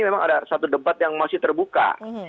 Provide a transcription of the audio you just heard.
memang ada satu debat yang masih terbuka